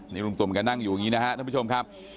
นี่ลุงตมกันนั่งอยู่อย่างนี้นะฮะท่านผู้ชมครับ